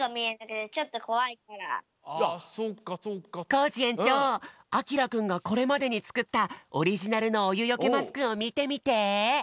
コージえんちょうあきらくんがこれまでにつくったオリジナルのおゆよけマスクをみてみて！